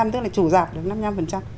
tức là chủ giảm được năm năm